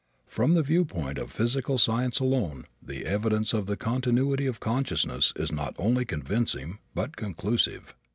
From the viewpoint of physical science alone the evidence of the continuity of consciousness is not only convincing but conclusive.